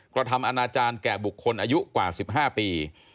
กระทำอนาจารย์แก่บุคคลอายุกว่า๑๕ปี